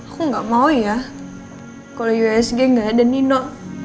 aku nggak mau ya kalau usg nggak ada nino